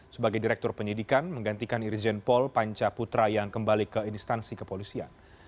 sebagai direktur penyidikan menggantikan irjen pol panca putra yang kembali ke instansi kepolisian